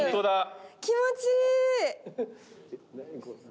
気持ちいい！